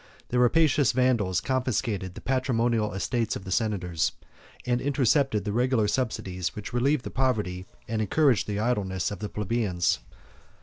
The rapacious Vandals confiscated the patrimonial estates of the senators, and intercepted the regular subsidies, which relieved the poverty and encouraged the idleness of the plebeians.